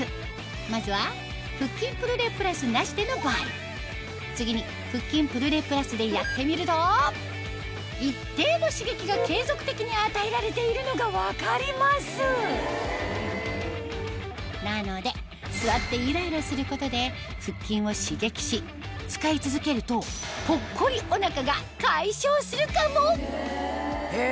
まずは腹筋プルレプラスなしでの場合次に腹筋プルレプラスでやってみると一定の刺激が継続的に与えられているのが分かりますなので座ってゆらゆらすることで腹筋を刺激し使い続けるとぽっこりお腹が解消するかも⁉へぇ！